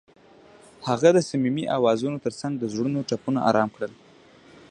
هغې د صمیمي اوازونو ترڅنګ د زړونو ټپونه آرام کړل.